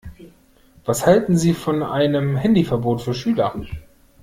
Was halten Sie von einem Handyverbot für Schüler?